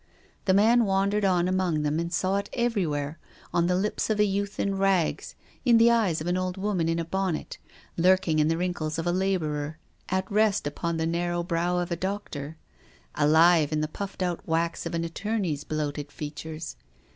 The man wandered on among them and saw it everywhere, on the lips of a youth in rags, in the eyes of an old woman in a bonnet, lurking in the wrinkles of a labourer, at rest upon the narrow brow of a doctor, alive in the puffed out wax of an attorney's bloated features.